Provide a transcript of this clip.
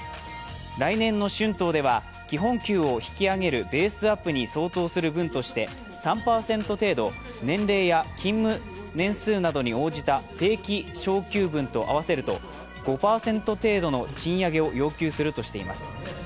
来年の春闘では、基本給を引き上げるベースアップに相当する分として３％程度年齢や勤務年数などに応じた定期昇給分と合わせると５％程度の賃上げを要求するとしています。